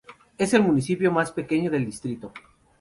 Es el municipio más pequeño del distrito.